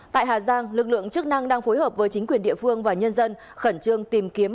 tại hà giang lực lượng chức năng đang phối hợp với chính quyền địa phương và nhân dân khẩn trương tìm kiếm